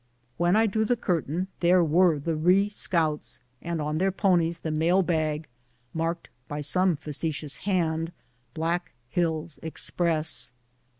When I drew the curtain, there were the Ree sconts, and on their ponies the mail bag, marked by some face tious hand, " Black Hills Express."